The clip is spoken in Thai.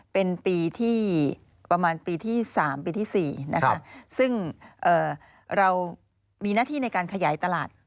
เป็นปีที่ประมาณปีที่๓ปีที่๔นะคะซึ่งเรามีหน้าที่ในการขยายตลาด